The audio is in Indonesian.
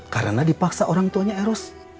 karena dipaksa orang tuanya eros